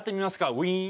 ウィーン。